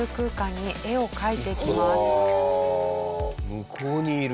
向こうにいる。